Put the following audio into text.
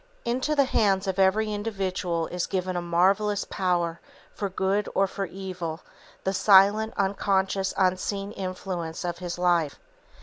Into the hands of every individual is given a marvellous power for good or for evil, the silent, unconscious, unseen influence of his life.